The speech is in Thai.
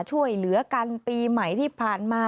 ช่วยเหลือกันปีใหม่ที่ผ่านมา